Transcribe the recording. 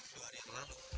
dua hari yang lalu